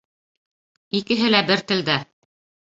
Икеһе лә бер телдә.